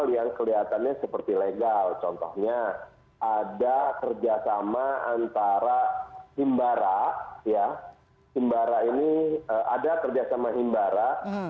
yang disediakan untuk leggard kia